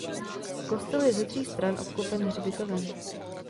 Kostel je ze tří stran obklopen hřbitovem.